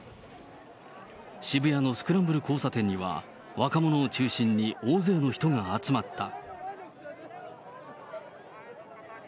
渋谷のスクランブル交差点には、若者を中心に大勢の人が集まった。